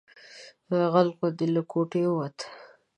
غل غوندې له کوټې ووت.